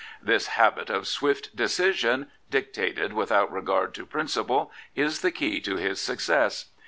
This habit of swift decision, dictated without regard to principle, is the key to his success.